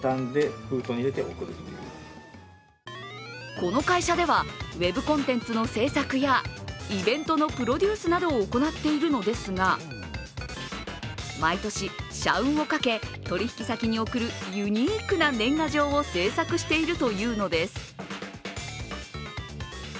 この会社ではウェブコンテンツの制作やイベントのプロデュースなどを行っているのですが、毎年、社運をかけ取引先に送るユニークな年賀状を制作しているというのです。